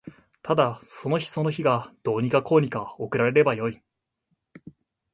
ただその日その日がどうにかこうにか送られればよい